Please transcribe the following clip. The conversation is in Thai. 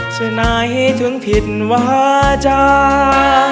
ใช่ไหมถึงผิดวาจา